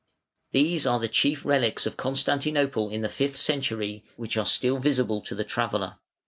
These are the chief relics of Constantinople in the fifth century which are still visible to the traveller.